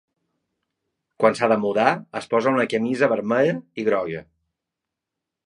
Quan s’ha de mudar, es posa una camisa vermella i groga.